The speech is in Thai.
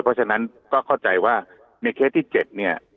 เพราะฉะนั้นก็เข้าใจว่าในเคสที่๗เนี่ย